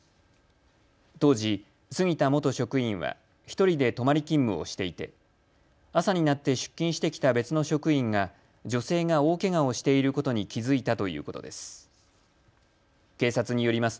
当時、杉田元職員は１人で泊まり勤務をしていて朝になって出勤してきた別の職員が女性が大けがをしていることに気付いたということです。